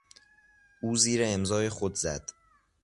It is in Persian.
او زیر امضای خود زد.